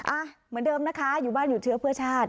เหมือนเดิมนะคะอยู่บ้านอยู่เชื้อเพื่อชาติ